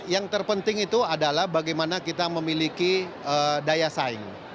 yang terpenting itu adalah bagaimana kita memiliki daya saing